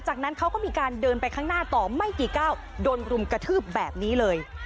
จากนั้นเขาก็มีการเดินไปข้างหน้าต่อไม่กี่ก้าวโดนรุมกระทืบแบบนี้เลย